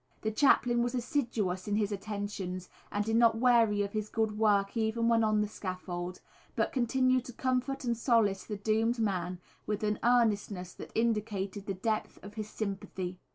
The chaplain was assiduous in his attentions and did not weary of his good work even when on the scaffold, but continued to comfort and solace the doomed man with an earnestness that indicated the depth of his sympathy.